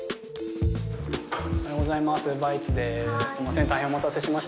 おはようございます。